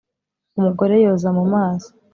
Umugore yoza mu maso